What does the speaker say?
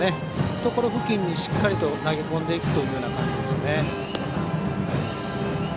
懐付近に、しっかりと投げ込んでいくという感じです。